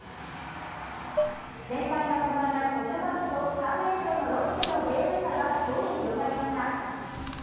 連敗が止まらないソフトバンクと３連勝のロッテのゲーム差が５に広がりました。